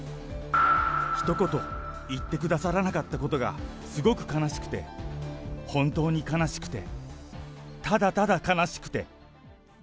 ひと言、言ってくださらなかったことがすごく悲しくて、本当に悲しくて、ただただ悲しくて。